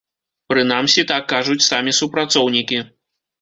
Прынамсі, так кажуць самі супрацоўнікі.